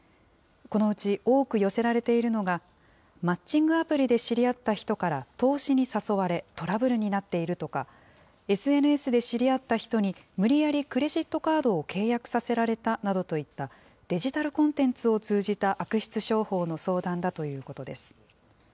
このうち多く寄せられているのがマッチングアプリで知り合った人から投資に誘われトラブルになっているとか、ＳＮＳで知り合った人に無理やりクレジットカードを契約させられたなどといった、デジタルコンテンツを通じた悪質商法の相談だということです。